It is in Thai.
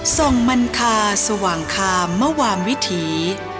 ส่งมันคาสว่างคามมวามวิถี